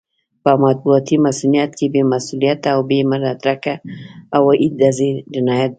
په مطبوعاتي مصؤنيت کې بې مسووليته او بې مدرکه هوايي ډزې جنايت دی.